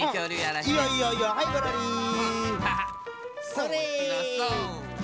それ！